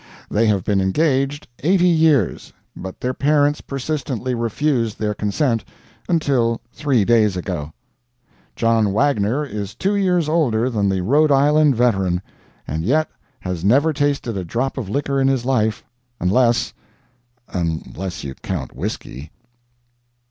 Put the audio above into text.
They have been engaged eighty years, but their parents persistently refused their consent until three days ago. John Wagner is two years older than the Rhode Island veteran, and yet has never tasted a drop of liquor in his life unless unless you count whisky.